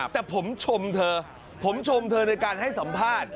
แต่ผมชมเธอผมชมเธอในการให้สัมภาษณ์